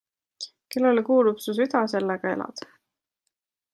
Kellele kuulub su süda, sellega elad.